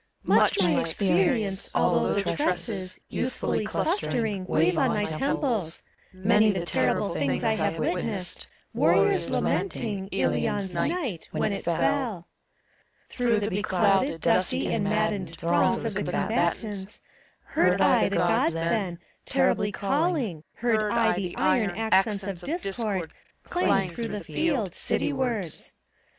139 CHORUS. Much my experience, although the tresses, Youthfully clustering, wave on my temples ; Many the terrible things I have witnessed, Warriors lamenting, Hion's night, When it fell. Through the beclouded, dusty and maddened Throngs of the combatants, heard I the Gk>ds then Terribly calling, heard I the iron Accents of Discord clang through the field, City wards.